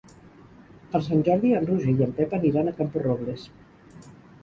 Per Sant Jordi en Roger i en Pep aniran a Camporrobles.